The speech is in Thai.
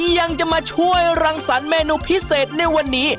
ยังจะมาช่วยรังสรรคเมนูพิเศษในวันนี้